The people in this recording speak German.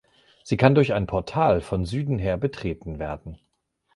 Sie kann durch ein Portal von Süden her betreten werden.